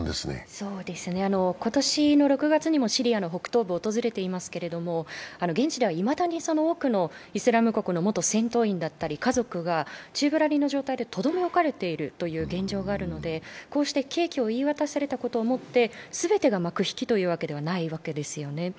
今年の６月にもシリアの北東部を訪れていますけれども、現地ではいまだに多くのイスラム国の元戦闘員だったり家族が宙ぶらりんの状態でとどめ置かれているという現状があるのでこうして刑期を言い渡されたことをもって全てが幕引きというわけではないわけですよね。